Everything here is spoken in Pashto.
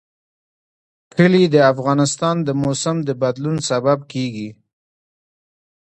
کلي د افغانستان د موسم د بدلون سبب کېږي.